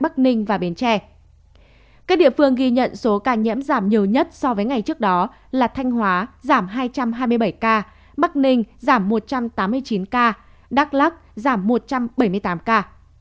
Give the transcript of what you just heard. các địa phương ghi nhận số ca nhiễm giảm nhiều nhất so với ngày trước đó là thanh hóa giảm hai trăm hai mươi bảy ca bắc ninh giảm một trăm tám mươi chín ca đắk lắc giảm một trăm bảy mươi tám ca